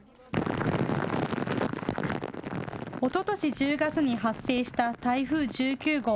おととし１０月に発生した台風１９号。